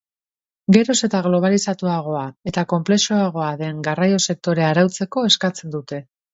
Geroz eta globalizatuagoa eta konplexuagoa den garraio sektorea arautzeko eskatzen dute.